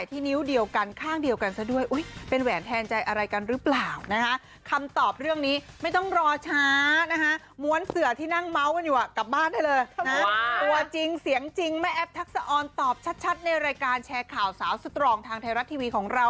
ตัวจริงเสียงจริงแม่แอปทักษะออนตอบชัดในรายการแชร์ข่าวสาวสตรองทางไทยรัฐทีวีของเรา